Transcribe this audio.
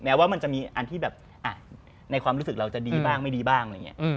แม้ว่ามันจะมีอันที่ในความรู้สึกเราจะดีบ้างไม่ดีบ้าง